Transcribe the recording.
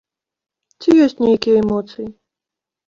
Ці ёсць нейкія эмоцыі?